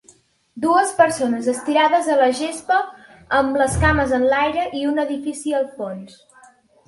Dues persones estirades a la gespa amb les cames enlaire i un edifici al fons.